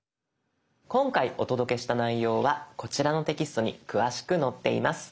今回お届けした内容はこちらのテキストに詳しく載っています。